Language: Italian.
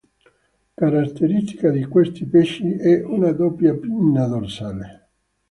Caratteristica di questi pesci è una doppia pinna dorsale.